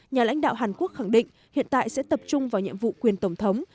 nhà lãnh đạo hàn quốc khẳng định hiện tại sẽ tập trung vào nhiệm vụ quyền tổng thống